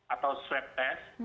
atau swab test